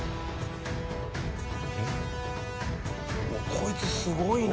こいつすごいな。